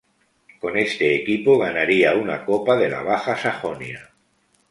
Con este equipo ganaría una Copa de la Baja Sajonia.